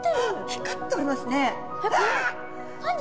光っております。